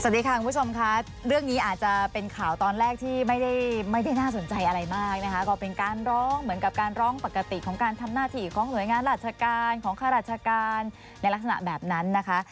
สวัสดีค่ะคุณผู้ชมค่ะเรื่องนี้อาจจะเป็นข่าวตอนแรกที่ไม่ได้ไม่ได้น่าสนใจอะไรมากนะคะก็เป็นการร้องเหมือนกับการร้องปกติของการทำหน้าที่ของหน่วยงานราชการของข้าราชการในลักษณะแบบนั้นนะคะ